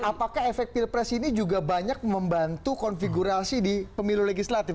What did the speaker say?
apakah efek pilpres ini juga banyak membantu konfigurasi di pemilu legislatif